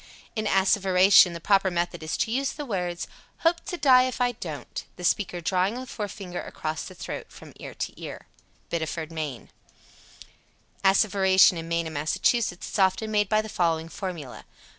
In asseveration, the proper method is to use the words, "Hope to die if I don't," the speaker drawing the forefinger across the throat from ear to ear. Biddeford, Me. 65. Asseveration in Maine and Massachusetts is often made by the following formula.